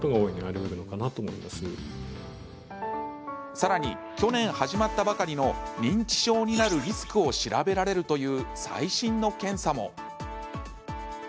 さらに去年、始まったばかりの認知症になるリスクを調べられるという最新の検査も。